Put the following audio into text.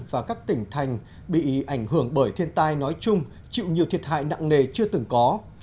và các tỉnh thành bị ảnh hưởng bởi thiên tai nói chung chịu nhiều thiệt hại nặng nề chưa từng có